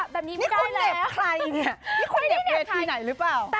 แบบนี้ไม่ได้แล้วนี่ควรเหล็บใครเนี่ยควรเหล็บเวทีไหนหรือเปล่านี่ควรเหล็บใคร